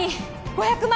５００万